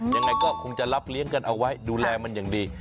ยังไงก็คงจะรับเลี้ยงกันเอาไว้ดูแลมันอย่างดี